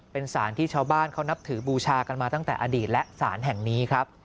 เป็นสารที่ชาวบ้านเขานับถือบูชากันมาตั้งแต่อดีตและสารแห่งนี้ครับ